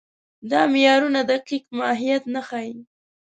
دا معیارونه دقیق ماهیت نه ښيي.